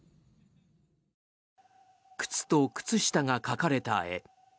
靴と靴下が描かれた絵。